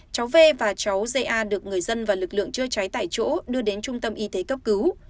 cháu v và cháu gi a được người dân và lực lượng chữa cháy tại chỗ đưa đến trung tâm y tế cấp cứu